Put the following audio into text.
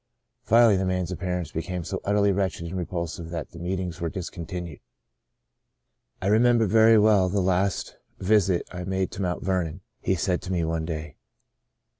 Finally the man's appearance became so utterly wretched and repulsive that the meet ings were discontinued. I remember very well the last visit I 190 Saved to the Uttermost made to Mount Vernon," he said to me one day.